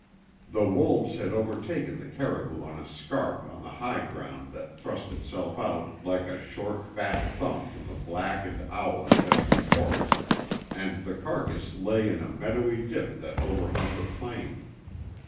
The wolves had overtaken the caribou on a scarp on the high ground that thrust itself out like a short fat thumb from the black and owl infested forest, and the carcass lay in a meadowy dip that overhung the plain.